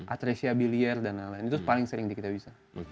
atresia bilier dan lain lain itu paling sering di kitabisa